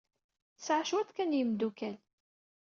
Tesɛa cwiṭ kan n yimeddukal.